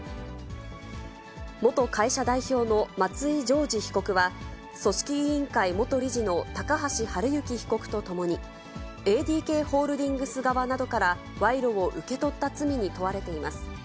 元会社代表の松井譲二被告は、組織委員会元理事の高橋治之被告とともに、ＡＤＫホールディングス側などから賄賂を受け取った罪に問われています。